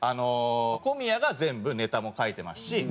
小宮が全部ネタも書いてますし。